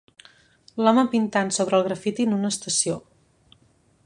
L'home pintant sobre el graffiti en una estació.